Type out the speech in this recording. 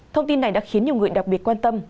thông tin này đã khiến nhiều người đặc biệt quan tâm